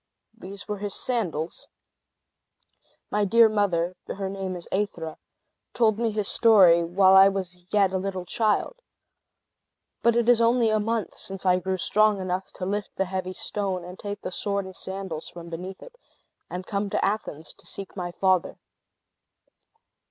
"These were his sandals. My dear mother (her name is Aethra) told me his story while I was yet a little child. But it is only a month since I grew strong enough to lift the heavy stone, and take the sword and sandals from beneath it, and come to Athens to seek my father."